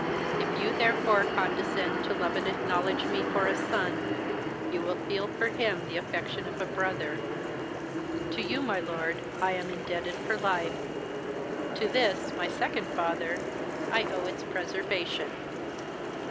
If you therefore condescend to love and acknowledge me for a son, you will feel for him the affection of a brother. To you, my lord, I am indebted for life, to this, my second father, I owe its preservation."